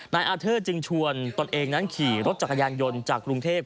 นายอาเทอร์จึงชวนตนเองนั้นขี่รถจักรยานยนต์จากกรุงเทพ